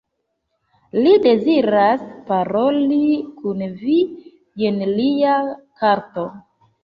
Li deziras paroli kun vi, jen lia karto.